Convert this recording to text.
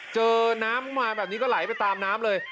เจอน้ำมาแบบนี้ก็ไหลไปตามน้ำเลย